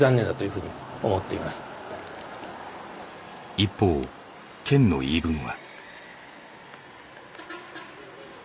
一方県の言い分は。